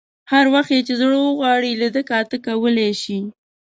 هر وخت یې چې زړه وغواړي لیده کاته کولای شي.